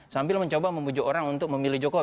sambil mencoba membujuk orang untuk memilih jokowi